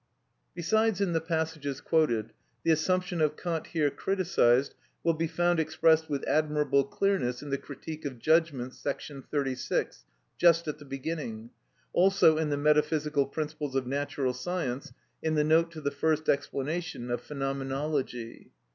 Besides in the passages quoted, the assumption of Kant here criticised will be found expressed with admirable clearness in the "Critique of Judgment," § 36, just at the beginning; also in the "Metaphysical Principles of Natural Science," in the note to the first explanation of "Phenomenology."